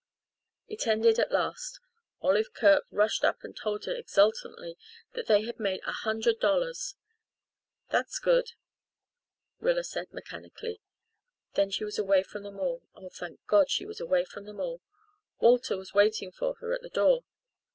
It ended at last. Olive Kirk rushed up and told her exultantly that they had made a hundred dollars. "That's good," Rilla said mechanically. Then she was away from them all oh, thank God, she was away from them all Walter was waiting for her at the door.